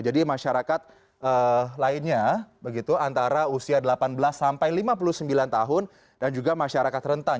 jadi masyarakat lainnya begitu antara usia delapan belas sampai lima puluh sembilan tahun dan juga masyarakat rentan